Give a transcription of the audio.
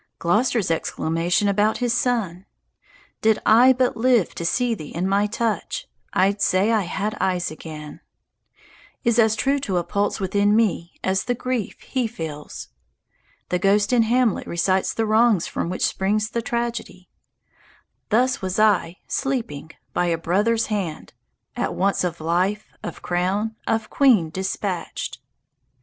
Gloster's exclamation about his son, "Did I but live to see thee in my touch, I'd say I had eyes again," is as true to a pulse within me as the grief he feels. The ghost in "Hamlet" recites the wrongs from which springs the tragedy: Thus was I, sleeping, by a brother's hand. At once of life, of crown, of queen dispatch'd.